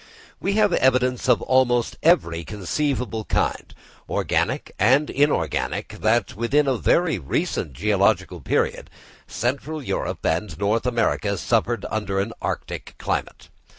We have evidence of almost every conceivable kind, organic and inorganic, that, within a very recent geological period, central Europe and North America suffered under an Arctic climate.